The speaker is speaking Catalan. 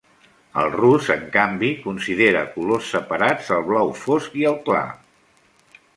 El rus, en canvi, considera colors separats el blau fosc i el clar.